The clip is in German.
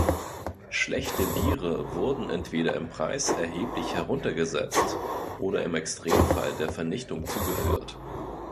Schlechte Biere wurden entweder im Preis erheblich heruntergesetzt, oder im Extremfall der Vernichtung zugeführt.